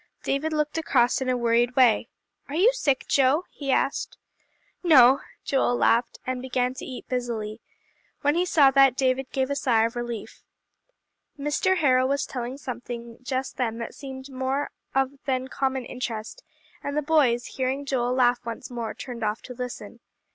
David looked across in a worried way. "Are you sick, Joe?" he asked. "No." Joel laughed, and began to eat busily. When he saw that, David gave a sigh of relief. Mr. Harrow was telling something just then that seemed of more than common interest, and the boys, hearing Joel laugh once more, turned off to listen.